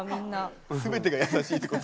全てが優しいってこと？